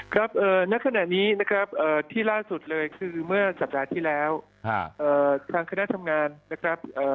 ครับณขณะนี้นะครับที่ล่าสุดเลยคือเมื่อสัปดาห์ที่แล้วทางคณะทำงานนะครับ